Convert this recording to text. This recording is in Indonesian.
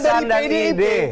dan dari pdip